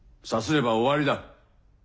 さすれば終わりだ。